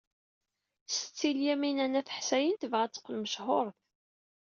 Setti Lyamina n At Ḥsayen tebɣa ad teqqel mechuṛet.